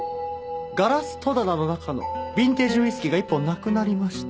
ガラス戸棚の中のビンテージウイスキーが１本なくなりました。